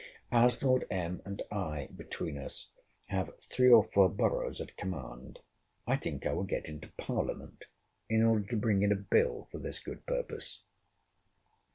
As Lord M. and I, between us, have three or four boroughs at command, I think I will get into parliament, in order to bring in a bill for this good purpose.